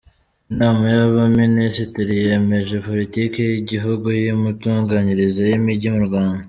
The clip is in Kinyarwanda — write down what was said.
Inama y’Abaminisitiri yemeje Politiki y’Igihugu y’Imitunganyirize y’Imijyi mu Rwanda.